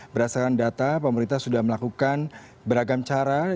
berdasarkan data pemerintah sudah melakukan beragam cara